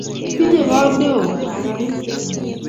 Tinyei koot neo ago karit